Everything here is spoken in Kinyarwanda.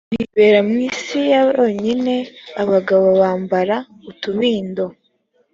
bibera mu isi ya bonyine abagabo bambara utubindo